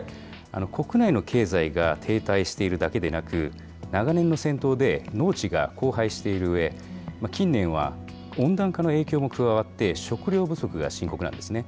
国内の経済が停滞しているだけでなく、長年の戦闘で農地が荒廃しているうえ、近年は温暖化の影響も加わって、食料不足が深刻なんですね。